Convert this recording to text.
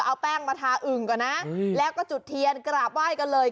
เอาแป้งมาทาอึ่งก่อนนะแล้วก็จุดเทียนกราบไหว้กันเลย